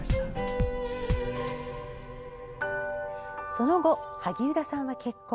その後、萩生田さんは結婚。